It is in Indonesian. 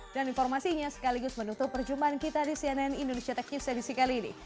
dan informasinya sekaligus menutup perjumpaan kita di cnn indonesia tech news edisi kali ini